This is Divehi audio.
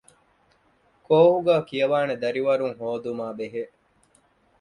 ކޯހުގައި ކިޔަވާނެ ދަރިވަރުން ހޯދުމާ ބެހޭ